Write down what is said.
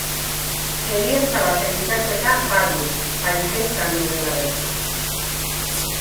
Heriotza baten ikerketa badu, baina ez da nobela beltza.